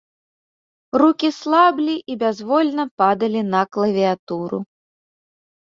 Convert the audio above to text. Рукі слаблі і бязвольна падалі на клавіятуру.